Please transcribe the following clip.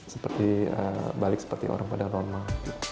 seperti balik seperti orang pada normal